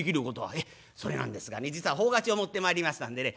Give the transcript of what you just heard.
「ええそれなんですがね実は奉加帳を持ってまいりましたんでね